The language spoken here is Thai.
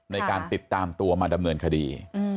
ในการติดตามตัวมาดำเนินคดี